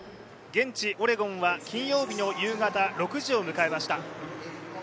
現地オレゴンは金曜日の夕方６時を迎えました。